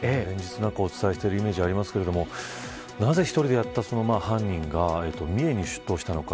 お伝えしてるイメージありますが、なぜ１人でやった犯人が三重に出頭したのか。